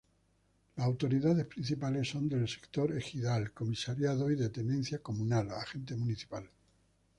Las autoridades principales son de Sector Ejidal, ¨Comisariado¨ y de Tenencia Comunal, ¨Agente Municipal¨.